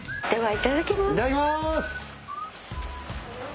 いただきます！